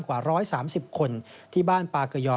กว่า๑๓๐คนที่บ้านปากเกยอ